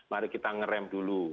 mari kita ngerem dulu